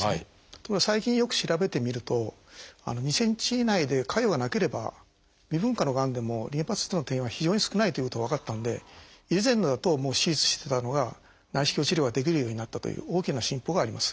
ところが最近よく調べてみると２ｃｍ以内で潰瘍がなければ未分化のがんでもリンパ節への転移は非常に少ないということが分かったんで以前だと手術してたのが内視鏡治療ができるようになったという大きな進歩があります。